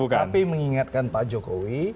tapi mengingatkan pak jokowi